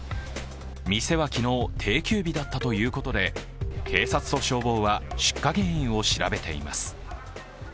店は昨日、定休日だったということで警察と消防は出火原因を調べています。